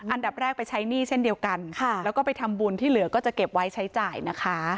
อันดับแรกไปใช้หนี้เช่นเดียวกันแล้วก็ไปทำบุญที่เหลือก็จะเก็บไว้ใช้จ่ายนะคะ